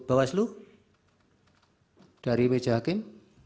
bawaslu dari wjh kim